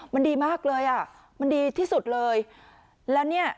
มันดีมากเลยอ่ะมันดีที่สุดเลยแล้วเนี่ย